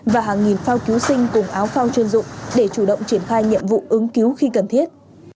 và hàng nghìn phao cứu sinh cùng áo phao chuyên dụng để chủ động triển khai nhiệm vụ ứng cứu khi cần thiết